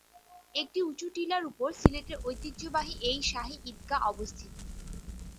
একটি উচু টিলার উপর সিলেটের ঐতিহ্যবাহী এই শাহী ঈদগাহ অবস্থিত।